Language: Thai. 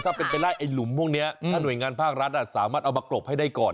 ถ้าเป็นไปได้ไอ้หลุมพวกนี้ถ้าหน่วยงานภาครัฐสามารถเอามากรบให้ได้ก่อน